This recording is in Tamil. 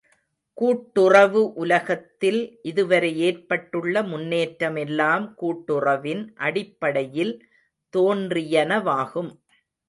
கூட்டுறவு உலகத்தில் இதுவரை ஏற்பட்டுள்ள முன்னேற்றமெல்லாம் கூட்டுறவின் அடிப்படையில் தோன்றியனவாகும்.